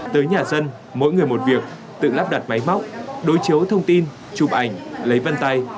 tới nhà dân mỗi người một việc tự lắp đặt máy móc đối chiếu thông tin chụp ảnh lấy vân tay